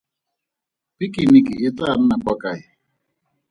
Pikiniki e tlaa nna kwa kae?